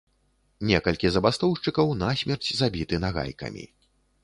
Некалькі забастоўшчыкаў насмерць забіты нагайкамі.